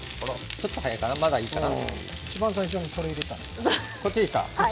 ちょっと早いかないいかな？